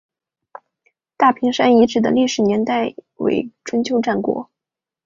大坪山遗址的历史年代为春秋战国。